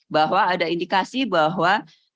bahwa ada indikasi bahwa